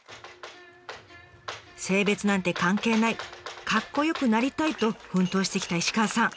「性別なんて関係ない」「かっこよくなりたい」と奮闘してきた石川さん。